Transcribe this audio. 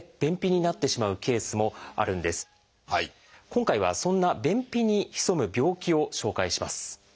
今回はそんな便秘に潜む病気を紹介します。